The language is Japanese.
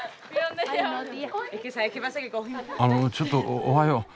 あのちょっとおおはよう。